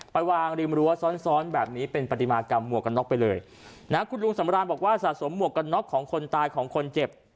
ไปวางริมรั้วซ้อนซ้อนแบบนี้เป็นปฏิมากรรมหมวกกันน็อกไปเลยนะคุณลุงสำราญบอกว่าสะสมหมวกกันน็อกของคนตายของคนเจ็บ